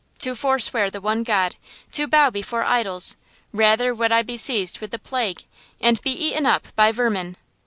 To forswear the One God, to bow before idols, rather would I be seized with the plague, and be eaten up by vermin.